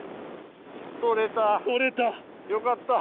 取れた。